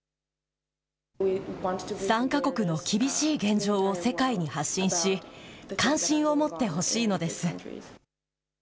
３か国の厳しい現状を世界に発信し、関心を持ってほしいのです。